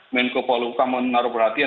menko poluka menaruh perhatian